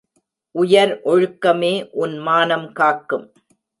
உயர் ஒழுக்கமே உன் மானம் காக்கும்.